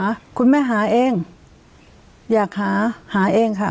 คุณแม่หาเองอยากหาหาเองค่ะ